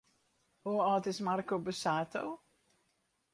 Hoe âld is Marco Borsato?